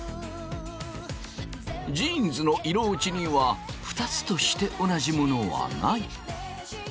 ジーンズの色落ちにはニつとして同じものはない。